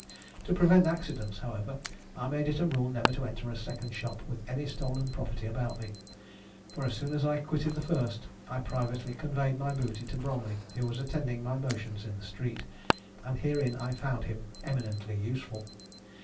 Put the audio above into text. To prevent accidents, however, I made it a rule never to enter a second shop with any stolen property about me; for, as soon as I quitted the first, I privately conveyed my booty to Bromley, who was attending my motions in the street, and herein I found him eminently useful.